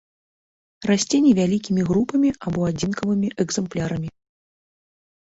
Расце невялікімі групамі або адзінкавымі экземплярамі.